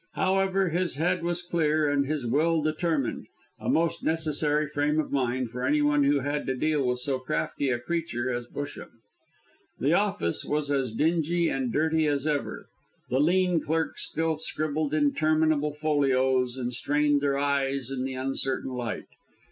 However, his head was clear and his will determined a most necessary frame of mind for anyone who had to deal with so crafty a creature as Busham. The office was as dingy and dirty as ever. The lean clerks still scribbled interminable folios, and strained their eyes in the uncertain light.